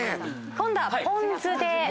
今度はポン酢で。